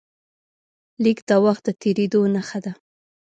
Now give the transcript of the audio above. لیک د وخت د تېرېدو نښه ده.